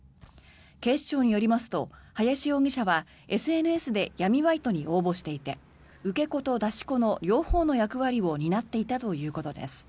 警視庁によりますと林容疑者はＳＮＳで闇バイトに応募していて受け子と出し子の両方の役割を担っていたということです。